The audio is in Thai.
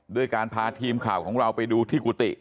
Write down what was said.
ด้วยการพาทีมข่าวของเราไปดูที่กุฏิ